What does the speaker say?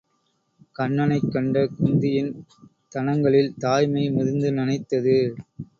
கன்னனைக் கண்ட குந்தியின் தனங்களில் தாய்மை முதிர்ந்து நனைத்தது.